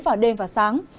vào đêm và sáng